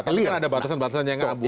tapi kan ada batasan batasan yang abu abu